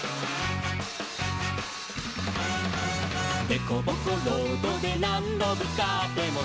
「でこぼこロードでなんどぶつかっても」